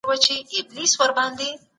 احمد شاه ابدالي ولي بندي سوی و؟